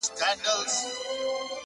ځم ورته را وړم ستوري په لپه كي؛